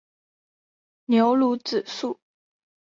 牛乳子树